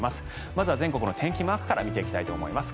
まずは全国の天気マークから見ていきたいと思います。